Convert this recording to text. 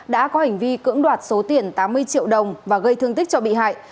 đã có hành vi cưỡng đoạt số tiền tám mươi triệu đồng và gây thương tích cho bị hại